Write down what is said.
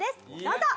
どうぞ！